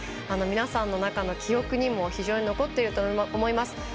皆さんの中の記憶にも非常に残っていると思います。